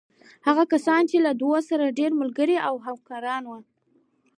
هغه کسان چې له دوی سره ډېر ملګري او همکاران وو.